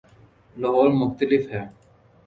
لاہور مختلف ہے۔